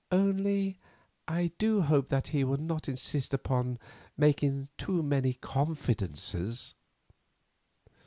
Only I do hope that he will not insist upon making me too many confidences."